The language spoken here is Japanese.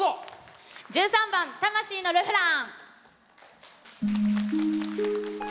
１３番「魂のルフラン」。